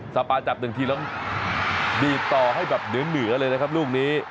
ปาจับหนึ่งทีแล้วบีบต่อให้แบบเหนือเลยนะครับลูกนี้